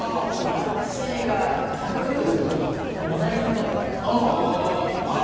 バンクシー作モナ・リザとか。